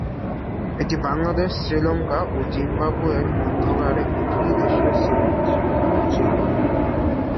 এটি বাংলাদেশ, শ্রীলঙ্কা ও জিম্বাবুয়ের মধ্যকার একটি ত্রিদেশীয় সিরিজ ছিল।